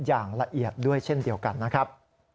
อย่างละเอียดด้วยเช่นเดียวกันนะครับ